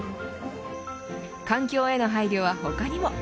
環境への配慮は他にも。